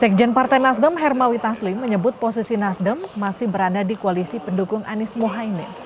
sekjen partai nasdem hermawi taslim menyebut posisi nasdem masih berada di koalisi pendukung anies mohaimin